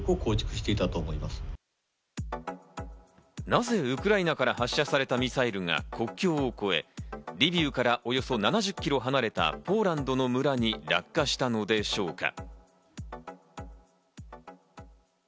なぜウクライナから発射されたミサイルが国境を越え、リビウからおよそ７０キロ離れたポーランドの村に落下したのでしょうか？